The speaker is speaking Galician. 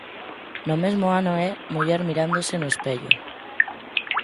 No mesmo ano é "Muller mirándose no espello".